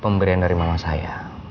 pemberian dari mama saya